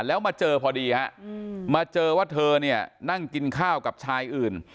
แล้วมาเจอพอดีฮะมาเจอว่าเธอเนี่ยนั่งกินข้าวกับชายอื่น